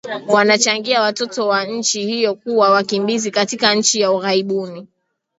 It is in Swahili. yanachangia watoto wa nchi hiyo kuwa wakimbizi katika nchi za ughaibuni